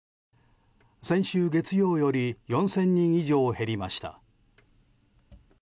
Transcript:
先週月曜より４０００人以上減りました。